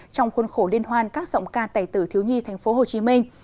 trong khuôn khổ liên hoan các giọng ca tài tử thiếu nhi thành phố hồ chí minh